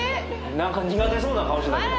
何か苦手そうな顔してたけど。